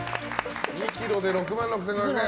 ２ｋｇで６万６５００円！